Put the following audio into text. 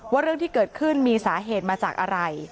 เรื่องที่เกิดขึ้นมีสาเหตุมาจากอะไร